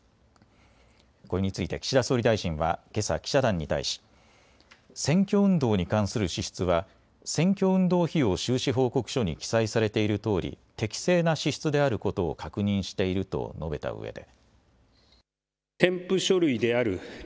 これについて岸田総理大臣はけさ記者団に対し選挙運動に関する支出は選挙運動費用収支報告書に記載されているとおり、適正な支出であることを確認していると述べたうえで。